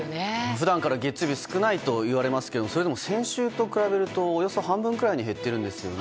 普段から月曜日は少ないといわれますけどそれでも先週と比べるとおよそ半分くらいに減っているんですよね。